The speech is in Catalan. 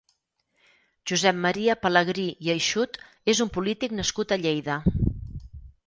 Josep Maria Pelegrí i Aixut és un polític nascut a Lleida.